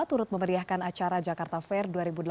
turut memeriahkan acara jakarta fair dua ribu delapan belas